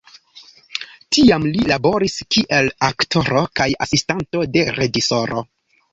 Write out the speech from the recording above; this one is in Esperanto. Tiam li laboris kiel aktoro kaj asistanto de reĝisoro.